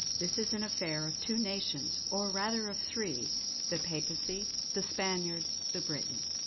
This is an affair of two nations, or rather of three: The Papacy, the Spaniard, the Briton.